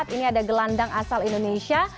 ini ada gelandang asal indonesia